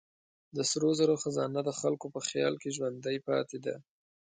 د سرو زرو خزانه د خلکو په خیال کې ژوندۍ پاتې ده.